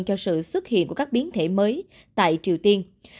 cho sự xuất hiện của các biến thể mới tại triều tiên